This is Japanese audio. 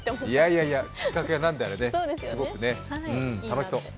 いやいや、きっかけがなんであれ、すごく楽しそう。